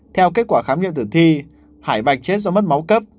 theo kết quả khám nghiệm tử thi hải bạch chết do mất máu cấp